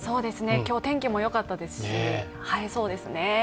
今日、天気もよかったですし、映えそうですね。